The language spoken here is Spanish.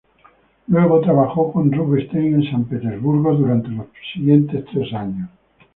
Luego trabajó con Rubinstein en San Petersburgo durante los próximos tres años.